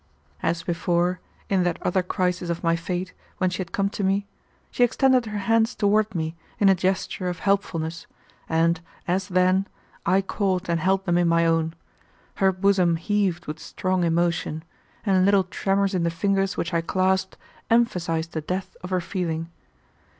As before, in that other crisis of my fate when she had come to me, she extended her hands toward me in a gesture of helpfulness, and, as then, I caught and held them in my own; her bosom heaved with strong emotion, and little tremors in the fingers which I clasped emphasized the depth of her feeling.